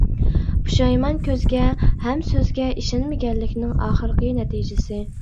پۇشايمان كۆزگە ھەم سۆزگە ئىشەنمىگەنلىكنىڭ ئاخىرقى نەتىجىسى!